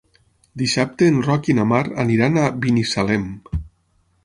Dissabte en Roc i na Mar aniran a Binissalem.